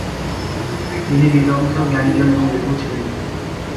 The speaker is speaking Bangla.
ইনি বিদগ্ধ জ্ঞানীজন এবং লেখক ছিলেন।